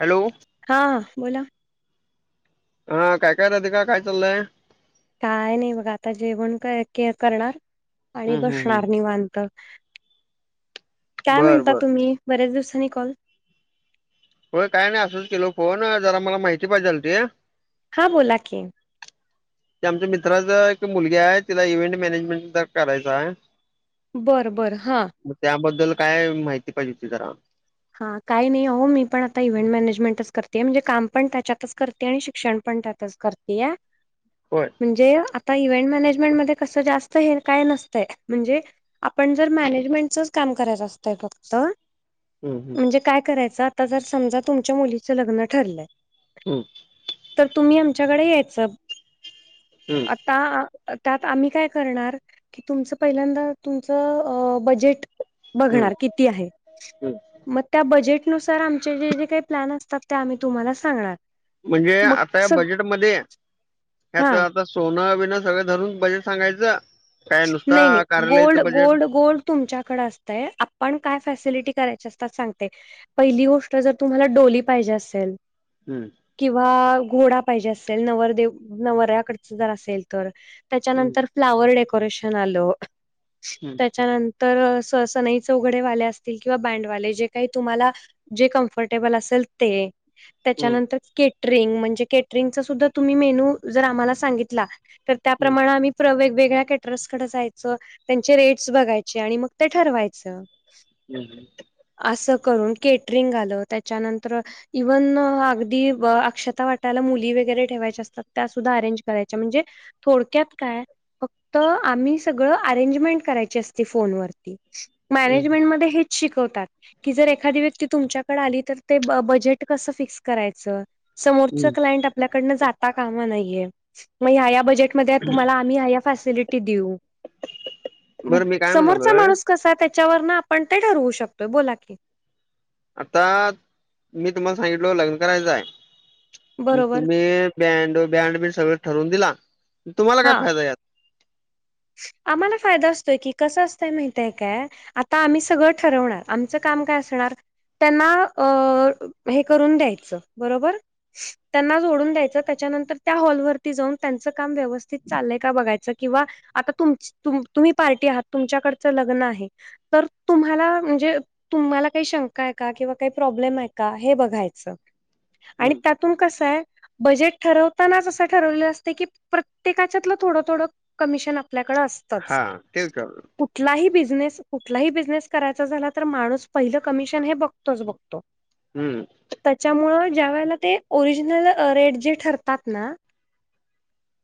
Hello.. हा बोला.. हा काय काय राधिका काय चाललंय.. काय नाही बघा आता जेवण काय के अ, करणार आणि हम्म हम्म हम्म. बशणार निवांत.. काय बर म्हणता बर तुम्ही बऱ्याच दिवसांनी कॉल.. होय. काय नाही असंच केल फोन जरा मला माहिती पाहिजे झालती. हा. बोला की. [inaudible] ते आमच्या मित्राच एक मुलगी हाय तिला इव्हेंट मॅनेजमेंटचं करायचाय. बरं बरं हां. मग त्याबद्दल काय माहिती पाहिजे होती जरा. हा काही नाही हो मी पण आता इव्हेंट मॅनेजमेंटच करते म्हणजे काम पण त्याच्यातच करते आणि शिक्षण पण त्यातच कर या होय म्हणजे आत इव्हेंट मॅनेजमेंट मध्ये कसं जास्त, हे काय नसतंय म्हणजे आपण जर मॅनेजमेंटचंच काम करायचं असतंय फक्त हम्म हम्म म्हणजे काय करायचं आता, जर समजा तुमच्या मुलीच लग्न ठरलंय हम्म. तर तुम्ही आमच्याकडे यायचं. हम्म. आता त्यात आम्ही काय करणार की तुमचं पहिल्यांदा तुमचं बजेट हम्म बघणार किती आहे. हम्म मग त्या बजेटनुसार आमचे, जे-जे काही प्लॅन असतात, ते आम्ही तुम्हाला सांगणार. म्हणजे मग आता या सग बजेटमध्ये, हा ह्याच सोनं बिनं सगळं धरून बजेट सांगायचा. नई नई गोल्ड गोल्ड गोल्ड तुमच्याकड असतंय, आपण काय फॅसिलिटी करायचे ते सांगते. पहिली गोष्ट, जर तुम्हाला डोली पाहिजे असेल हम्म. किंवा घोडा पाहिजे असेल, नवरदेव नवऱ्याकडच जर असेल तर हम्म त्याच्यानंतर फ्लावर डेकोरेशन आलं, हम्म त्याच्यानंत तर स अस अस नईच उघडे वाले असतील किंवा बँडवाले जे काही तुम्हाला जे कम्फर्टेबल असेल ते हम्म त्याच्यानंतर केटरिंग, म्हणजे केटरिंगचा सुद्धा तुम्ही मेन्यू जर आम्हाला सांगितला तर त्याप्रमाणे हम्म आम्ही प्र वेगवेगळ्या कॅट [unintelligible] कड जायच, त्यांचे रेट्स बघायचे आणि मग ते ठरवायचं. हम्म हम्म. असं करून केटरिंग आलं त्याच्यानंतर इव्हन अगदी अक्षता वाटायला मुली वगैरे ठेवायच्या असतात त्या सुद्धा अरेंज करायच्या म्हणजे थोडक्यात काय तर आम्ही सगळ अरेंजमेंट करायची अस फोन वरती हम्म हम्म. मॅनेजमेंटमध्ये हे शिकवतात. कि जर एखादी व्यक्ती तुमच्याकडे आली, तर ते बजेट कसं फिक्स करायचं. समोरच हम्म. क्लायंट आपल्याकडन जाता कामा नहिये, मग ह्या-ह्या बजेटमध्ये तुम्हाला आम्ही ह्या या फॅसिलिटी देऊ बरं मी काय समोरचा म्हणालोय माणूस कसाय त्याच्यावरन आपण ते ठरवू शकतोय बोला की आता मी तुम्हाला सांगितलो लग्न करायचं आहे बरोबर तुम्ही बँड बँड बि सगळ ठरवून दिला तुम्हाला काय हा फायदा यात आम्हाला फायदा असतोय की कसा असतंय माहितय काय आता आम्ही सगळं ठरवणार आमचं काम काय असणार त्यांना अ हे करून द्यायचं बरोबर त्यांना जोडून द्यायचं त्याच्यानंतर त्या हॉलवरती जाऊन त्यांचं काम व्यवस्थित चाललंय का बघायचं किंवा आता तुमच तुम्ही पार्टी आहात तुमच्याकडचं लग्न आहे तर तुम्हाला म्हणजे तुम्हाला काही शंका आहे का किंवा काही प्रॉब्लेम आहे का हे बघायचं आणि हम्म त्यात पण कसं हाय बजेट ठरवतानाच असं ठरवलेल असते की प्रत्येकाच्यातलं थोडं थोडं कमिशन आप आपल्याकड असतच हा ते विचारलं कुठलाही बिझनेस कुठलाही बिझनेस करायचा झाला तर माणूस पहिलं कमिशन हे बघतोच बघतो हम्म त्याच्यामुळं ज्या वेळेला ते ओरिजनल रेट जे ठरतात ना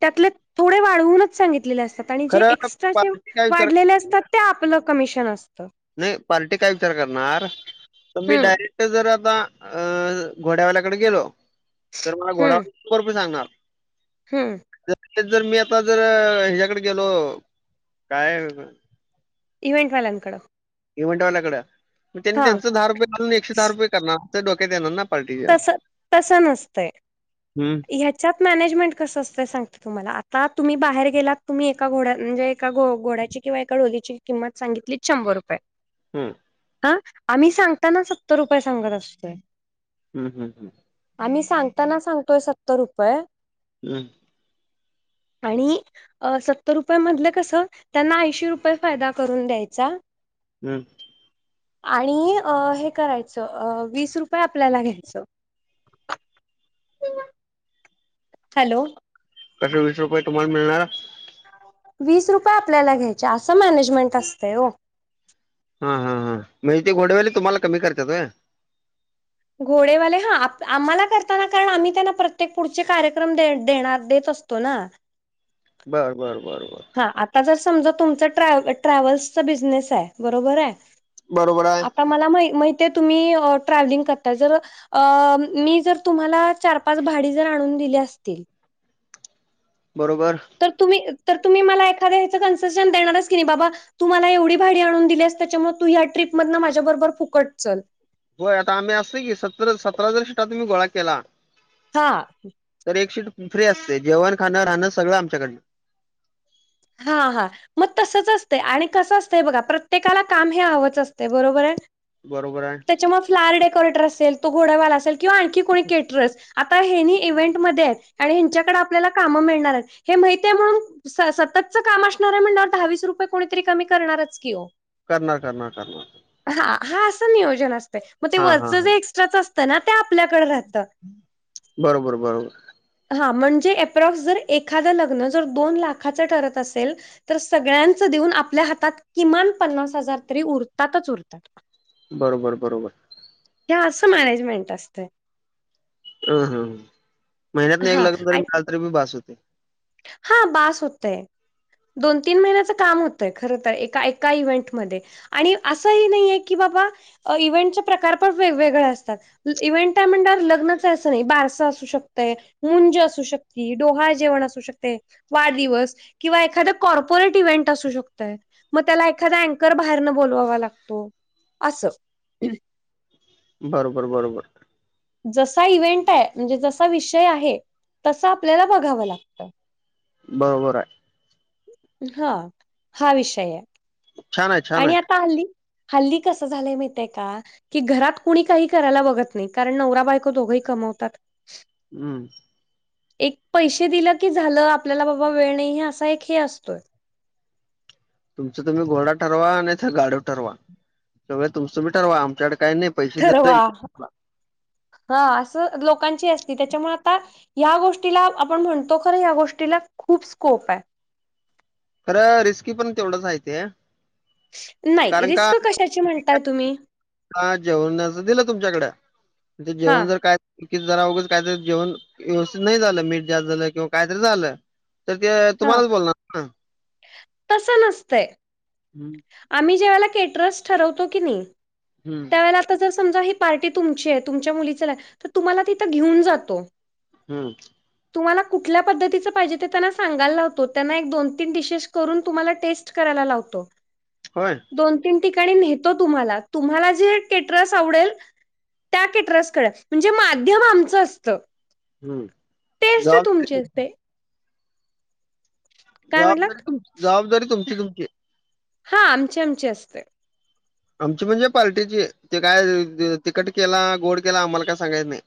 त्यातले थोडे वाढवूनच सांगितलेले असतात आणि जे खरं एक्स्ट्राचे पार्टी काय विचार वाढलेले असतात. ते आपलं कमिशन असतं. नाही. पार्टी काय विचार करणार तर मी हम्म डायरेक्ट जर आता - - अं घोड्यावाल्याकडे गेलो तर मला घोडा शंभर रुपये सांगणार. हम. [unintelligible] जर मी आता जर हेच्याकडे गेलो. काय? इव्हेंट वाल्यांकड. इव्हेंटवाल्याकड. मग त्यांनी त्यांचं दहा रुपये घालून एकशे दहा रुपये करणार. तेच डोक्यात येणार ना. पार्टीच्या तस, तस नसतंय. हम्म ह्या - - त्यात मॅनेजमेट कसं असतं सांगते तुम्हाला, आता तुम्ही बाहेर गेलात तुम्ही एका घोड्या म्हणजे एका घो घोड्याची - - किंवा एका डोलीची किंमत संगीतली शंभर रुपये. हम्. हा आम्ही सांगताना सत्तर रुपये सांगत असतोय. हं, हं, हंम. आम्ही सांगताना सांगतोय सत्तर रुपये. हम्. आणि अ सत्तर रुपये मधलं कसं त्यांना ऐंशी रुपये फायदा करून द्यायचा. हम्म. आणि अ हे करायचं वीस रुपये आपल्याला घ्यायचं. हॅलो. कसे वीस रुपये तुम्हाला मिळणार? वीस रुपये आपल्याला घ्यायचे. असं मॅनेजमेंट असतंय ओ. हा, हा, हां. म्हणजे ते घोडवाली तुम्हाला कमी करत्यात व्हयं. घोडेवाले हा आम्हाला करताना कारण आम्ही त्यांना प्रत्येक पुढचे कार्यक्रम दे देणार देत असतो तो ना. बर, बर, बर, बर. हा. आता जर समजा तुमचा ट्रॅव्ह ट्रॅव्हल्सचा बिझनेस हाय बरोबर हाय. बरोबर हाय. आता मला मा माहिती आहे तुम्ही ट्रॅव्हलिंग करताय. जर अ मी जर तुम्हाला चार, पाच भाडी जर आणून दिली असतील बरोबर. तर तुम्ही तर तुम्ही मला एखाद्या ह्याचं कन्सेशन देणारच की बाबा - - तू मला एवढी भाडी आणून दिलीस त्याच्यामुळे तू या ट्रिपमधन माझ्याबरोबर फुकट चल. होय आता आम्ही असत की सत सतरा जर शीटा तुम्ही गोळा केला हा. तर एक शीट फ्री असते जेवण खाणं राहणं सगळं आमच्याकडन. हा. हा. मग तसच असतयं आणि कसं असतं बघा प्रत्येकाला काम हे हवंच असतय बरोबर हाय. बरोबर हाय. त्याच्यामुळे फ्लॉवर डेकोरेटर असेल. तो घोड्यावाला असेल किंवा आणखी कोणी कॅटरर्स आता हेनी इव्हेंट मध्ये आहेत आणि ह्यांच्याकडे आपल्याला काम मिळणार आहेत हे माहतीये म्हणून स सततच काम असणार हाय म्हणल्यावर दहावीस रुपये कोणीतरी कमी करणारच की ओ. करणार, करणार, करणार. हा हा असं नियोजन असतय. मग ते हा वरच हा हा जे एक्स्ट्राच असतं ना ते आपल्याकडे राह बरोबर, बरोबर. हा म्हणजे अप्रॉक्स जर एखादं लग्न जर दोन लाखाचं ठरत असेल तर सगळ्यांच देऊन आपल्या हातात किमान पन्नास हजार तरी उरतातच [unintelligible] बरोबर बरोबर हे असं मॅनेजमेंट असतंय अ ह महिन्यातन एक हा लग्न जरी आणि मिळालं तरी बी बास होतय हा बास होतय दोन तीन महिन्याचं काम आणि असं ह नाही आहे की बाबा इव्हेंटचे प्रकार पण वेगवेगळे असतात इव्ंट ट म्हण लग्नच आहे असं नाही बारसं असू शकतं मूंज असू शकते डोहा जेवण असू शकते वाढदिवस किंवा एखाद कॉर्पोरेट इव्हेंट असू शकतय मग त्याला एखादा अँकर बाहेरनं बोलवावा लागतो असं बरोबर बरोबर जसा इव्हेंट आहे म्हणजे जसा विषय आहे तसा आपल्याला बघावं लागतं बरोबर आहे हा हा विषय आहे छान आहे छान आणि आहे आता हल्ली हल्ली कसं झालंय माहितय का कि घरात कुणी काही करायला बघत नाही कारण नवरा बायको दोघही कमवतात हम्म एक पैसे दिलं की झालं आपल्याला बाबा वेळ,, नाही सा एक हे असतोय तुमच तुम्ही घोडा ठरवा आणि, गाढव ठरवा सगळं तुमचं मी ठरवा आमच्याकडडे काही नाही पैसे ठरवा हा असं लोकांची असती त्याच्यामुळे आता या गोष्टीला आपण म्हणतो खर या गोष्टीला खूप स्कोप आहे खरं रिस्की पण तेवढंच आहे ते नाही कारण रिस्क कशाची म्हणताय तुम्ही ह जेवणाच दिलं तुमच्याकडे ते हा जेवण जर काय की जरा अगघंच काहीतरी जेवण व्यवस्थित नाही झालं मीठ जास्त झालं किंवा काहीतरी झालं तर ते हा तुम्हालाच बोलणार तसं नसतंय ना आम्ही, जेवायला केटरस ठरवतो की नाही हम्म तर आता जर समजा ही पार्टी तुमची आहे तुमच्या मुलीच तर तुम्हाला तिथं घेऊन जातो हम्म तुम्हाला कुठल्या पद्धतीचं पाहिजे ते त्यांना सांगायला लावतो त्यांना एक दोन तीन डिशेस करून तुम्हाला टेस्ट करायला लावतो होय दोन तीन ठिकाणी नेतो तुम्हाला तुम्हाला केटरस आवडेल त्या केटरस कडे म्हणजे माध्यम आमचं असतं हम्म टेस्ट जा तुमची असते काय म्हटलात? जबाबदारी तुम जबाबदारी तुमची तुमची हा आमची आमची असते आमची म्हणजे पार्टीची ते काय तिकट केला गोड केला आम्हाला काय सांगायच नाही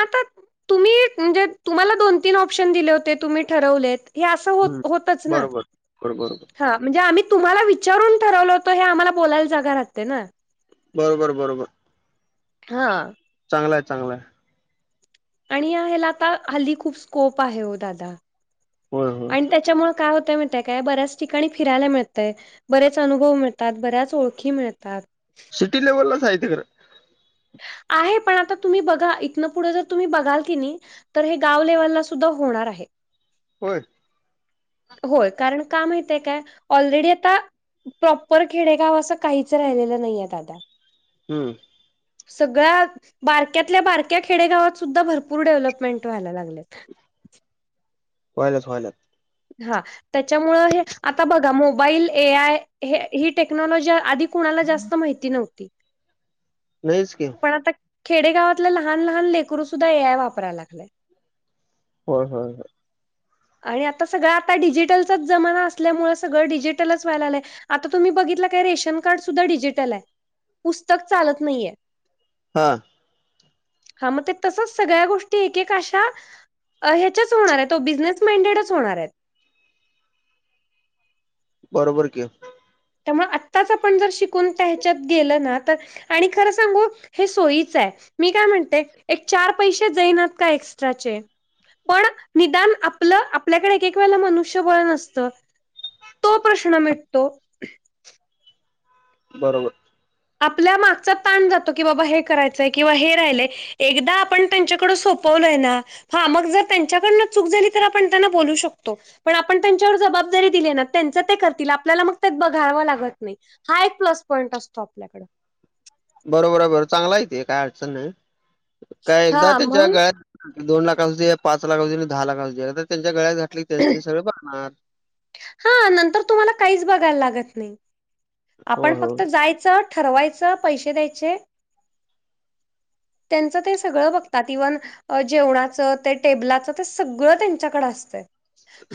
आता तुम्ही म्हणजे तुम्हाला दोन तीन ऑप्शन दिले होते तुम्ही ठरवलेत हे असं होत हम्म होतच ना बरोबर बरोबर बरोबर हा म्हणजे आम्ही तुम्हाला विचारून ठरवल होतं हे आम्हाला बोलायला जागा राहते ना बरोबर बरोबर हा. चांगलाय चांगलंय आणि ह्याला आता हल्ली खूप स्कोप आहे हो दादा होय होय आणि त्याच्यामुळे काय होतय म काय बऱ्याच ठिकाणी फिरायला मिळतंय बरेच अनुभव मिळतात बऱ्याच ओळखी मिळतात सिटी लेव्हलच आहेय खं आहे पण आता तुम्ही बघा इथनं पुढं जर तुम्ही बघाल की नाही तर हे गाव लेव्हलला सुद्धा होणार आहे होय होय कारण का माहितय काय ऑलरेडी आता प्रॉपर खेडेगाव असं काहीच राहिलेलं नाहीय दादा हं सगळ्या बारक्यातल्या बारक्या खेडेगावात सुद्धा भरपूर डेव्हलपमेंट व्हायला लागलेत होयलाच वयला हा त्याच्यामुळे हे आता बघा मोबाईल ए आय हे ही टेक्नॉलॉजी आध कुणाला जास्त माहिती नव्हती नाहीचक पण आता खेडेगावातले लहान लहान लेकरू सुद्धा ए आय वापरायला लागलेय हो हो आणि आता सगळं आता डिजिटलचाच जमाना असल्यामुळें सगळं डिजिटलच व्हायलालं आहे आता तुम्ही बघितलं काय रेशन कार्ड सुद्धा डिजिटल आहे पुस्तक चालत नाहीये हा हा मग ते तसच सगळ्या गोष्टी एकका अशा ह्याच्याच होणार आहे तो बिझनेस माइंडेडच होणार आहेत बरोबर कि त्यामुळे आत्ताच आपण जर शिकून त्या हच्यात गेल ना तर आणि खरं सांगू हे सोयीच आहे मी काय म्हणते एक चार पैसे देईनात का एक्स्ट्राचे पण निदान आपलं आपल्याकडे एक एक वेळेला मनुष्यबळ नसतं तो प्रश्न मिटतो बरोबर आपल्या मागचा ताण जातो की बाबा हे करायचंय किंवा हे राहिलंय एकदा आपण त्यांच्याकड सोपवलोय ना हा मग जर त्यांच्याकडन चूक झाली तर आपण त्यांना बोलू शकतो पण आपण त्यांच्यावर जबाबदारी दिली ना त्यांच ते करतील आपल्याला मग त्यात बघावं लागत नाही हा एक प्लस पॉईंट असतो आपल्याकड बरोबर आहे बर चांगला येते काय अडचण नाही काय एकदा हा त्यांच्या म्हणून गळ्यात दोन लाख असू दे पाच लाख अस दे आणि दहा लाख असू दे त्यांच्या गळ्यात घातटली त्यां सगळे बनणार हा नंतर तुम्हाला काहीच बघायला लागत नाही हो आपण हो फक्त जायचं ठरवायचं पैसे द्यायचे [inaudible] त्यांचं ते सगळं बघतात इव्हन अ जेवणाचं ते टेबलाचं ते सगळं त्यांच्याकड असतं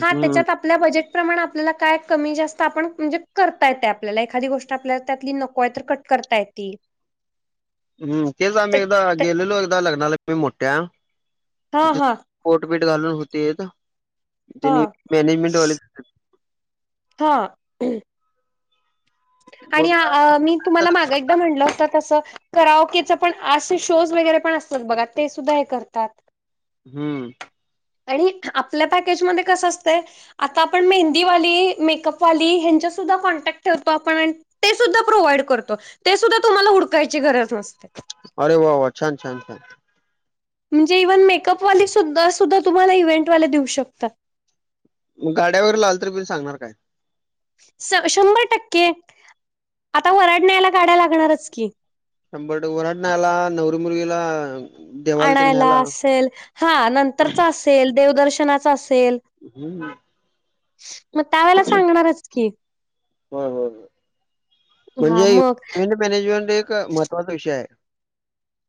हा त्याच्यात आपल्या बजेट प्रमाण आपल्याला काय कमी जास्त आपण म्हणजे करताय त्या आपल्याला एखादी गोष्ट आपल्याला त्यातली नको आहे तर कट करता येतील हम्म तेच आम्ही एकदा गेलेलो एकदा लग्नाला मोठ्या हा हा पोटपेठ घालून होते हा जनी मॅनेजमेंट वॉलेज हा आणि मग मी तुम्हाला माग एकदा म्हटलं होतं तसं कराओकेचा पण अस शोज वगैरे पण असत बघा ते सुद्धा हे करतात हम्म आणि आपल्या पॅकेजमध्येध्ये कसं असतंय आता आपण मेहंदीवाली मेकअपवाली हच्या सुद्धा कॉन्टॅक्ट ठरतो आपण ते सुद्धा प्रोव्हाइड करतो ते सुद्धा तुम्हाला हडकायची गरज नसते अरे वा वा छान छान छान म्हणजे इव्हन मेकपवाली सुध सुद्धा तुम्हाला इव्हेंट वाले देऊ शकतात मग गाड्यावर लावल तरी बि सांगणार काय? शंभर टक्के आता वर्हाड न्यायला गाड्या लागणारच की. शंभर ट वर्हाड न्यायला नवरी मुलगीला देवाला ते आणायला न्यायला असेल, हां नंतरचा असेल, देवदर्शनाचा असेल. हम्म. मग त्यावेेळेला सांगणारच की. हो हो हा म्हणजे मग इव्हेंट मॅनेजमेंट एक महत्त्वाचा विषय आहे.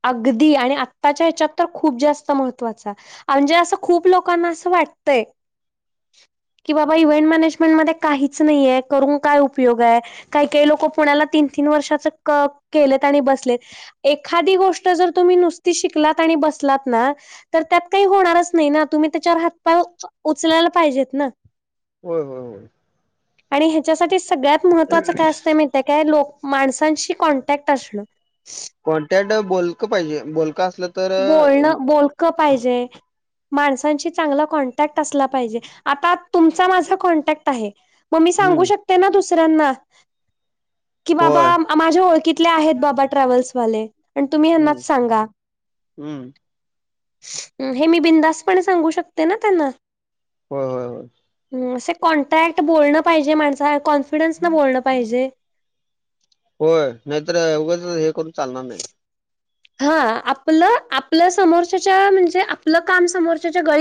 अगदी आणि आत्ताच्या हेच्यात तर खूप जास्त महत्त्वाच म्हणजे असं खूप लोकांना असं वाटतय. की बाबा इव्हेंट मॅनेजमेंट मध्ये काहीच नाहीे करून काय उपयोग आहे. काही काही लोक पुण्याला तीन तीन वर्षाच केलेत आणि बसलेत एखादी गोष्ट ष्ट जर तुम्ही नुसती शिकलात आणि बसलात ना तर त्यात काही होणारच नाही ना तुम्ही त्याच्यावर हातपाय उचलायला पाहिजेत ना. होय होय होय. आणि हेच्यासाठी सगळ्यात महत्वाचं काय असतंय मी त्या का लोक माणसांशी कॉन्टॅक्ट असण. कॉन्टॅक्ट बोलक पाहिजे बोलक असल बोलणं बोलक पाहिजे. माणसांशी चांगला कॉन्टॅक्ट असला पाहिजे आता तुमचा माझा कॉन्टॅक्ट आहे. म मी सांगू हं, शकते ना दुसऱ्यांना की बाबा होय. माझ्या ओळखीतले आहेत बाबा ट्रॅव्हल्सवाले आणि तुम्ही यांनाच सांगा. हम्म. हे मी बिनधास्तपणे सांगू शकते ना त्यांना. होय होय होय. असे कॉन्टॅक्ट बोलणं पाहिजे माणसाला कॉन्फिडन्स न बोलणं पाहिजे. होय नाहीतर एवढंच हे करून चालणार नाही. हां आपलं आपल्या समोरच्याच्या म्हणजे आपलं काम समोरच्याच्या